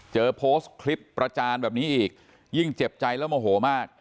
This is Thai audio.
เจอโพสต์คลิปประจานแบบนี้อีกยิ่งเจ็บใจแล้วโมโหมาก